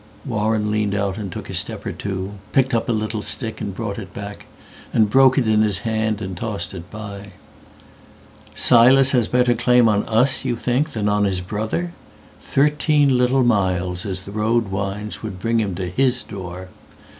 Warren leaned out and took a step or two, Picked up a little stick, and brought it backAnd broke it in his hand and tossed it by."Silas has better claim on us you thinkThan on his brother? Thirteen little milesAs the road winds would bring him to his door.